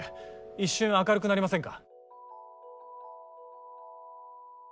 一瞬明るくなりませんか？